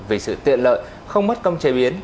vì sự tiện lợi không mất công chế biến